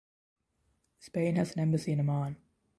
Spain has an embassy in Amman.